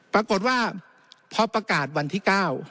ปรากฏว่าพอประกาศวันที่๙